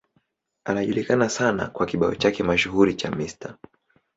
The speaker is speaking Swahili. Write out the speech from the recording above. Anajulikana sana kwa kibao chake mashuhuri cha Mr.